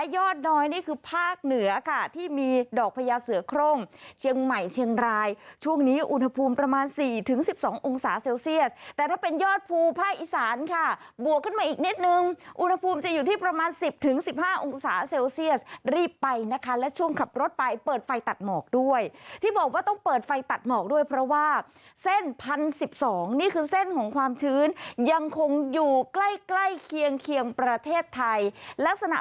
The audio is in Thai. อยู่ถึง๑๒องศาเซลเซียสแต่ถ้าเป็นยอดภูภายอีสานค่ะบวกขึ้นมาอีกนิดนึงอุณหภูมิจะอยู่ที่ประมาณ๑๐๑๕องศาเซลเซียสรีบไปนะคะและช่วงขับรถไปเปิดไฟตัดหมอกด้วยที่บอกว่าต้องเปิดไฟตัดหมอกด้วยเพราะว่าเส้น๑๐๑๒นี่คือเส้นของความชื้นยังคงอยู่ใกล้เคียงประเทศไทยลักษณ